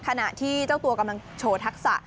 ขณะที่เจ้าตัวกำลังโชว์ทักษะ